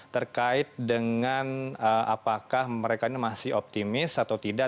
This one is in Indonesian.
terkait dengan apakah mereka ini masih optimis atau tidak